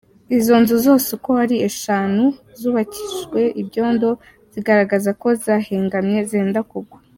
Izo nzu zose uko ari eshanu zubakishijwe ibyondo, zigaragaraga ko zahengamye zenda kugwa.